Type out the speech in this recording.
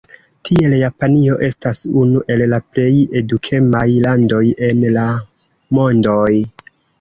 Tiel Japanio estas unu el la plej edukemaj landoj en la mondoj.